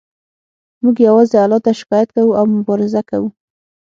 موږ یوازې الله ته شکایت کوو او مبارزه کوو